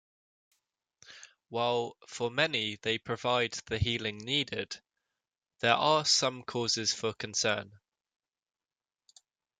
While for many they provide the healing needed, there are some causes for concern.